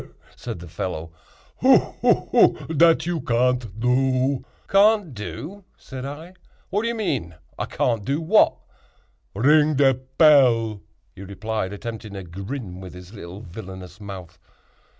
"He! he! he!" said the fellow, "hu! hu! hu! dat you can't do." "Can't do!" said I, "what do you mean?—I can't do what?" "Ring de pell," he replied, attempting a grin with his little villanous mouth.